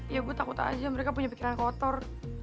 ya gue takut aja mereka punya pikiran kotor